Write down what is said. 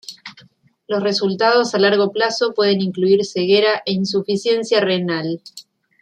Los resultados a largo plazo pueden incluir ceguera e insuficiencia renal.